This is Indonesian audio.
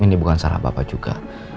ini bukan salah bapak juga